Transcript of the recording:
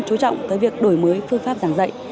chú trọng tới việc đổi mới phương pháp giảng dạy